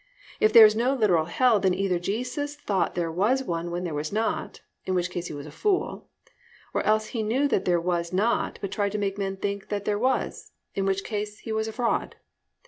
If there is no literal hell then either Jesus thought there was one when there was not, in which case He was a fool; or else He knew that there was not, but tried to make men think that there was, in which case He was a fraud.